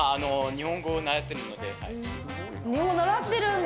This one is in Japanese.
日本語習ってるんだ。